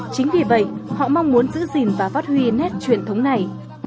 chính vì vậy họ mong muốn giữ gìn và phát huy nét truyền thống này